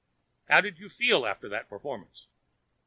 'How did you feel after that performance?'